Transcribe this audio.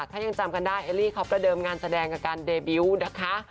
ถ้ายังจำกันได้เอลลี่เขาประเดิมงานแสดงกับการเดบิวต์นะคะ